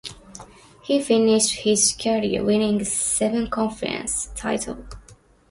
He finished his career winning seven conference titles.